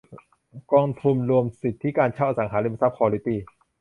กองทุนรวมสิทธิการเช่าอสังหาริมทรัพย์ควอลิตี้